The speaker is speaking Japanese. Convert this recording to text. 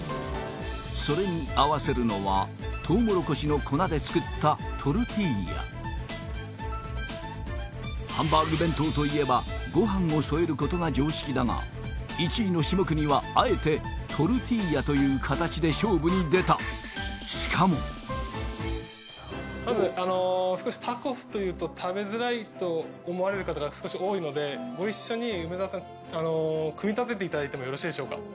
それに合わせるのはハンバーグ弁当といえばご飯を添えることが常識だが１位の下國はあえてトルティーヤという形で勝負に出たしかもまずタコスというと食べづらいと思われる方が少し多いのでご一緒に梅沢さん組み立てていただいてもよろしいでしょうか？